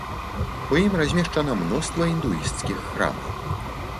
У ім размешчана мноства індуісцкіх храмаў.